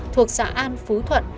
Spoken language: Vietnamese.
thuộc xã an phú thuận